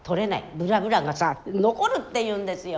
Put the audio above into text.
ブラブラがさ残るって言うんですよ。